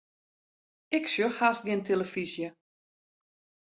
Ik sjoch hast gjin telefyzje.